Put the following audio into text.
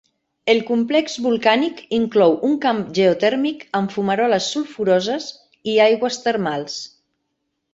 El complex volcànic inclou un camp geotèrmic amb fumaroles sulfuroses i aigües termals.